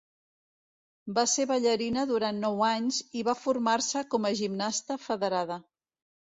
Va ser ballarina durant nou anys i va formar-se com a gimnasta federada.